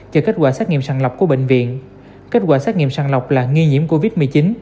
chờ kết quả xét nghiệm sàng lọc của bệnh viện kết quả xét nghiệm sàng lọc là nghi nhiễm covid một mươi chín